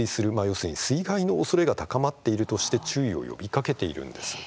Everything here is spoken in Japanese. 要するに、水害のおそれが高まっているとして注意を呼びかけているんです。